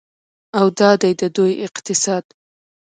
او دا دی د دوی اقتصاد.